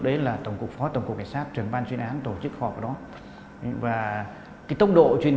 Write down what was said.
đấy là tổng cục phó tổng cục cảnh sát trưởng ban chuyên án tổ chức họp ở đó và cái tốc độ chuyên